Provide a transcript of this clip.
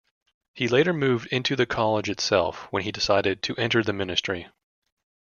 He later moved into the College itself, when he decided to enter the Ministry.